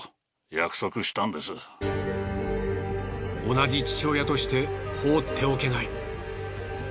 同じ父親として放っておけない。